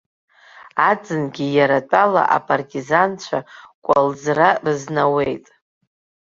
Аӡынгьы иара атәала апартизанцәа кәалӡра рызнауеит.